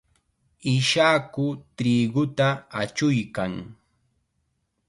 Ishaku triquta achuykan.